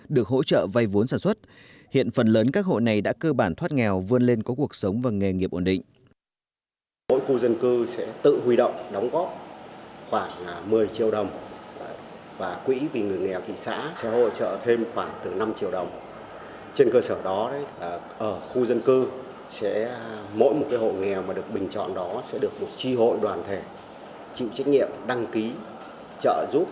được hỗ trợ vây vốn sản xuất hiện phần lớn các hộ này đã cơ bản thoát nghèo vươn lên có cuộc sống và nghề nghiệp ổn định